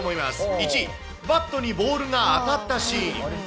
１、バットにボールが当たったシーン。